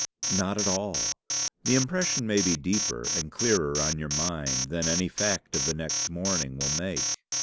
"Not at all. The impression may be deeper and clearer on your mind than any fact of the next morning will make.